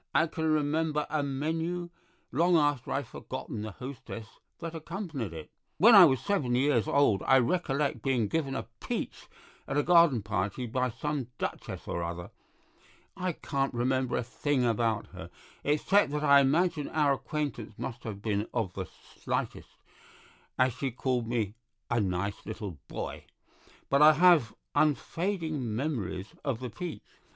I can remember a menu long after I've forgotten the hostess that accompanied it. When I was seven years old I recollect being given a peach at a garden party by some Duchess or other; I can't remember a thing about her, except that I imagine our acquaintance must have been of the slightest, as she called me a 'nice little boy,' but I have unfading memories of that peach.